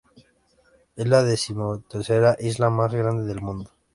Es la decimotercera isla más grande del mundo.